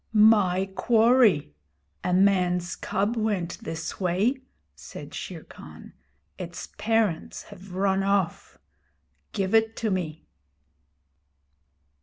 'My quarry. A man's cub went this way,' said Shere Khan. 'Its parents have run off. Give it to me.'